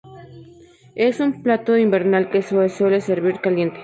Es un plato invernal que se suele servir caliente.